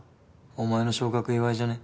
お前の昇格祝いじゃね？